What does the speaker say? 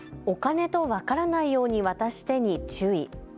お金と分からないように渡してに注意。